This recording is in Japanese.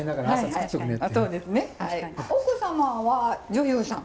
奥様は女優さん？